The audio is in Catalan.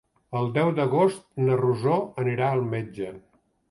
El deu d'agost na Rosó anirà al metge.